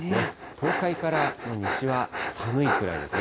東海から西は寒いくらいですね。